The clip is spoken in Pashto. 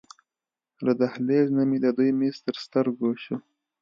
له دهلېز نه مې د دوی میز تر سترګو شو.